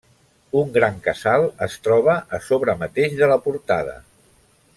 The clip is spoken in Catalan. Un gran casal es troba a sobre mateix de la portada.